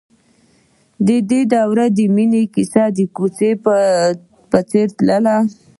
د دوی د مینې کیسه د کوڅه په څېر تلله.